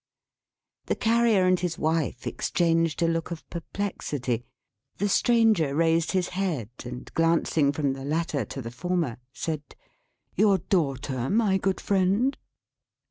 The Carrier and his wife exchanged a look of perplexity. The Stranger raised his head; and glancing from the latter to the former, said: "Your daughter, my good friend?"